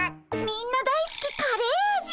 みんな大すきカレー味